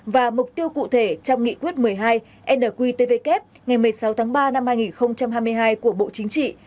và mục tiêu cụ thể trong nghị quyết một mươi hai nqtvk ngày một mươi sáu tháng ba năm hai nghìn hai mươi hai của bộ chính trị